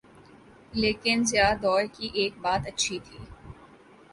لیکن ضیاء دور کی ایک بات اچھی تھی۔